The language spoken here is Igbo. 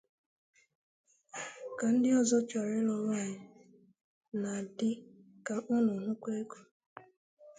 Ka ndị ọzọ chọrọ ịlụ nwanyị na dị ka ụnụ hụkwa ego